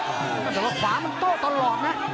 แต่ว่าขวามันโต้ตลอดนะ